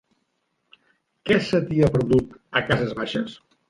Què se t'hi ha perdut, a Cases Baixes?